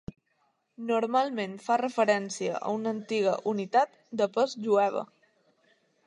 Normalment fa referència a una antiga unitat de pes jueva.